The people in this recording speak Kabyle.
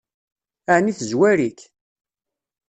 Ɛni tezwar-ik?